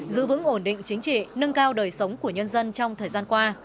giữ vững ổn định chính trị nâng cao đời sống của nhân dân trong thời gian qua